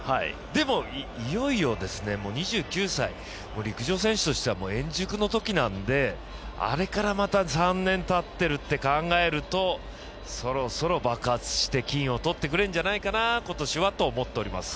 でもいよいよ２９歳陸上選手としては円熟のときなんであれから、また３年たってるって考えると、そろそろ爆発して金を取ってくれるんじゃないかな今年はと思っています。